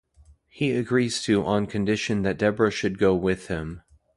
He agrees to on condition that Deborah should go with him.